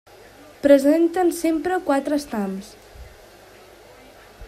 Presenten sempre quatre estams.